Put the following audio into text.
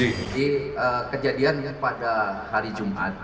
ini kejadiannya pada hari jumat